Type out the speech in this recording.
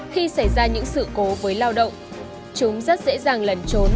khi xảy ra những sự cố với lao động chúng rất dễ dàng lẩn trốn